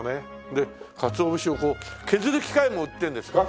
で鰹節を削る機械も売ってるんですか？